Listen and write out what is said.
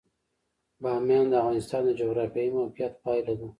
بامیان د افغانستان د جغرافیایي موقیعت پایله ده.